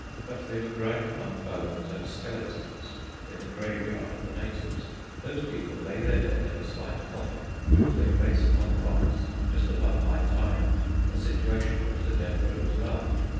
But they were growing among bones and skeletons, in the graveyard of the natives. Those people lay their dead in a slight coffin, which they place upon the rocks just above high tide, a situation which the Dendrobes love.